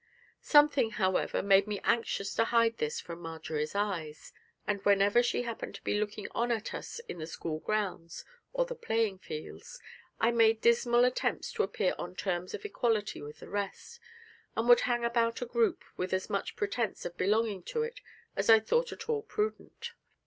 Something, however, made me anxious to hide this from Marjory's eyes, and whenever she happened to be looking on at us in the school grounds or the playing fields, I made dismal attempts to appear on terms of equality with the rest, and would hang about a group with as much pretence of belonging to it as I thought at all prudent.